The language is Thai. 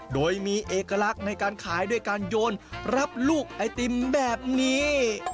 โดยมีเอกลักษณ์ในการขายด้วยการโยนรับลูกไอติมแบบนี้